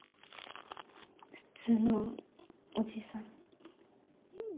普通のおじさん。